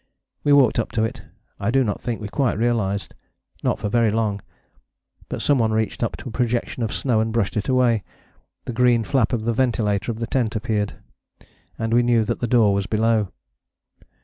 We walked up to it. I do not think we quite realized not for very long but some one reached up to a projection of snow, and brushed it away. The green flap of the ventilator of the tent appeared, and we knew that the door was below.